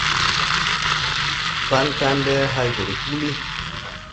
Paŋ kandɛ hay go de huuli.